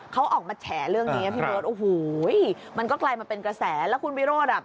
เขาออกมาแฉเรื่องนี้พี่เบิร์ตโอ้โหมันก็กลายมาเป็นกระแสแล้วคุณวิโรธอ่ะ